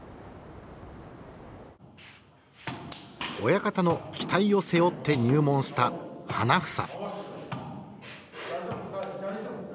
親方の期待を背負って入門した花房。